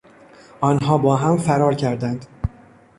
آنها باهم فرار کردند.